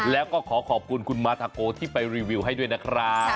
แล้วก็ขอขอบคุณคุณมาทาโกที่ไปรีวิวให้ด้วยนะครับ